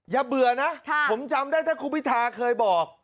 อย่าเบื่อนะผมจำได้ถ้าคุณพิธาเคยบอก